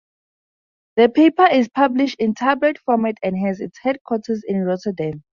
The paper is published in tabloid format and has its headquarters in Rotterdam.